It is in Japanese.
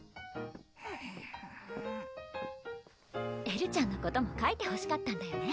うんエルちゃんのこともかいてほしかったんだよね？